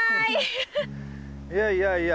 いやいやいや。